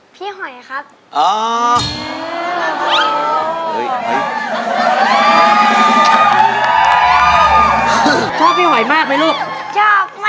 พี่หอยครับ